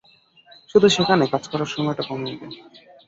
শুধু সেখানে কাজ করার সময়টা কমিয়ে দে।